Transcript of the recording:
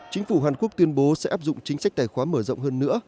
chính phủ hàn quốc tuyên bố sẽ áp dụng chính sách tài khoá mở rộng hơn nữa